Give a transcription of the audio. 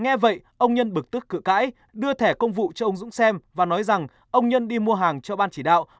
nghe vậy ông nhân bực tức cự cãi đưa thẻ công vụ cho ông dũng xem và nói rằng ông nhân đi mua hàng cho ban chỉ đạo